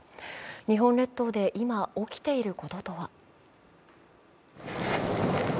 日本列島で今、起きていることとは。